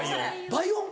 ライオン！